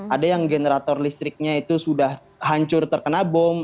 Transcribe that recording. ada yang generator listriknya itu sudah hancur terkena bom